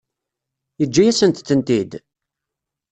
Yeǧǧa-yasent-tent-id?